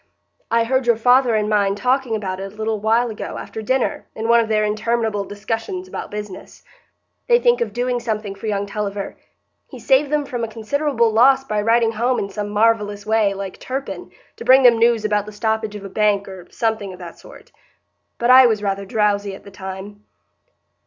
I heard your father and mine talking about it a little while ago, after dinner, in one of their interminable discussions about business. They think of doing something for young Tulliver; he saved them from a considerable loss by riding home in some marvellous way, like Turpin, to bring them news about the stoppage of a bank, or something of that sort. But I was rather drowsy at the time."